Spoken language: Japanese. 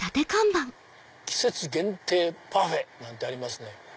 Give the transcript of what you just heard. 「季節限定パフェ」なんてありますね。